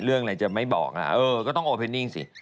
เรื่องอะไรจะไม่บอกเออก็ต้องโอเพนิ่งสิ